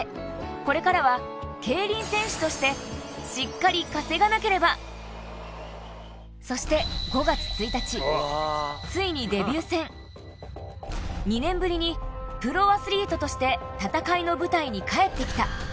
これからは競輪選手としてしっかり稼がなければそして２年ぶりにプロアスリートとして戦いの舞台に帰って来た